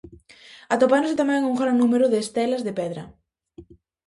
Atopáronse tamén un gran número de estelas de pedra.